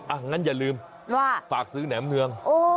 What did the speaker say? อย่างนั้นอย่าลืมว่าฝากซื้อแหนมเนือง